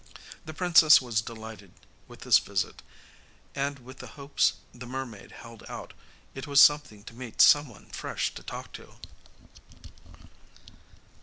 The princess was delighted with this visit and with the hopes the mermaid held out. It was something to meet someone fresh to talk to.